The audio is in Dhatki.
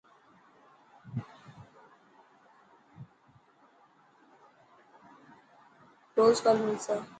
زرور ڦل ملسي .